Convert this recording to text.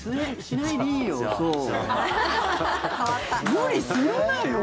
無理するなよ。